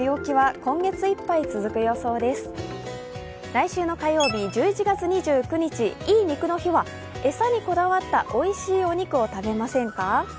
来週の火曜日１１月２９日、いい肉の日は餌にこだわった、おいしいお肉を食べませんか。